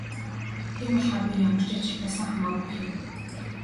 Тийм болохоор би ямар ч ажил байсан хамаагүй хийнэ.